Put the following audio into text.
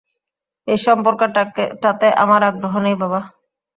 এই সম্পর্কটাতে আমার আগ্রহ নেই, বাবা।